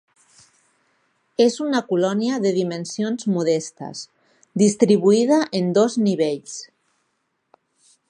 És una colònia de dimensions modestes, distribuïda en dos nivells.